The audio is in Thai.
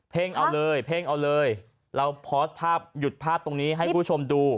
่งเอาเลยเพ่งเอาเลยเราโพสต์ภาพหยุดภาพตรงนี้ให้คุณผู้ชมดู